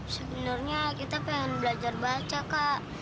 sebenarnya kita pengen belajar baca kak